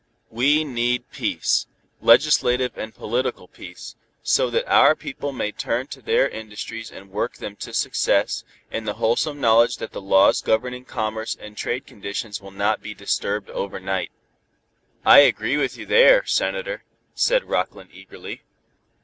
"We need peace, legislative and political peace, so that our people may turn to their industries and work them to success, in the wholesome knowledge that the laws governing commerce and trade conditions will not be disturbed over night." "I agree with you there, Senator," said Rockland eagerly.